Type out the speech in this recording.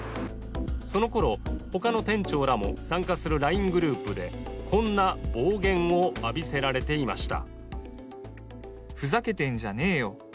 そのころ、他の店長らも参加するＬＩＮＥグループでこんな暴言を浴びせられていました。